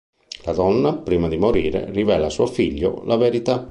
La donna, prima di morire, rivela a suo figlio la verità.